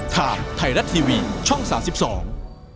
ทามไทรัตทีวีช่อง๓๒